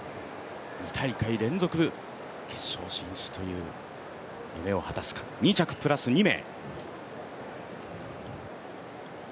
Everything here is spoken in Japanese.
２大会連続、決勝進出という夢を果たすか２着プラス２名。